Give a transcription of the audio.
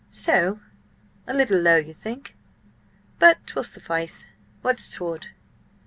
"So? A little low, you think? But 'twill suffice— What's toward?"